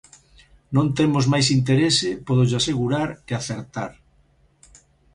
Non temos máis interese, pódollo asegurar, que acertar.